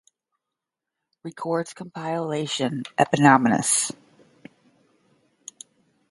Records compilation "Eponymous".